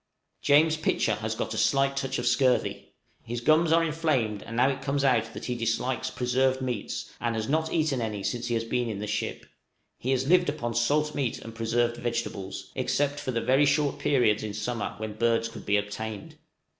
{ATTACK OF SCURVY.} James Pitcher has got a slight touch of scurvy; his gums are inflamed; and now it comes out that he dislikes preserved meats, and has not eaten any since he has been in the ship! He has lived upon salt meat and preserved vegetables, except for the very short periods in summer when birds could be obtained.